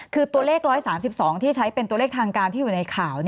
คือตัวเลข๑๓๒ที่ใช้เป็นตัวเลขทางการที่อยู่ในข่าว